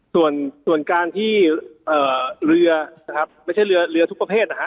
ส่วนการที่เรือนะครับไม่ใช่เรือเรือทุกประเภทนะฮะ